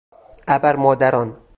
ابرمادران